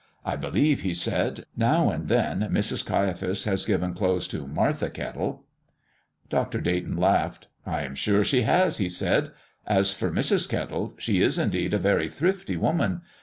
"I believe," he said, "now and then Mrs. Caiaphas has given clothes to Martha Kettle." Dr. Dayton laughed. "I am sure she has," he said. "As for Mrs. Kettle, she is, indeed, a very thrifty woman.